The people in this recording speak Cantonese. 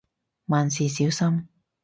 萬事小心